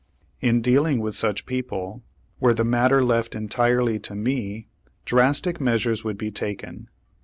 In dealing with such people, were the matter left entirely to me, drastic measures would be taken.